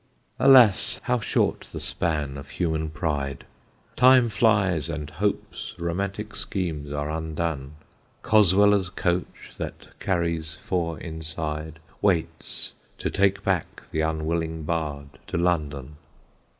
Alas! how short the span of human pride! Time flies, and hope's romantic schemes, are undone; Cosweller's coach, that carries four inside, Waits to take back the unwilling bard to London.